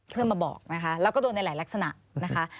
มาบอกนะคะแล้วก็โดนในหลายลักษณะนะคะ